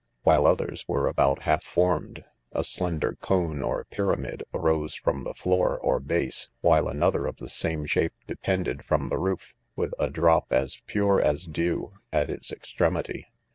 while others were about half formed j a slender cone or pyramid arose from the floor or base, while another of the same shape depended from the roof, with a drop as pure as dew at its extremity.